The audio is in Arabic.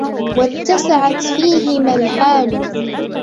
وَاتَّسَعَتْ فِيهِمَا الْحَالُ